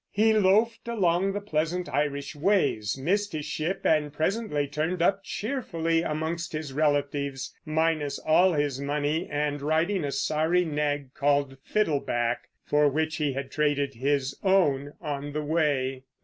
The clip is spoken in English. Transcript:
He loafed along the pleasant Irish ways, missed his ship, and presently turned up cheerfully amongst his relatives, minus all his money, and riding a sorry nag called Fiddleback, for which he had traded his own on the way.